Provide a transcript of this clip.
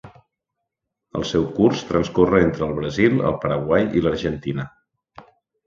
El seu curs transcorre entre el Brasil, el Paraguai i l'Argentina.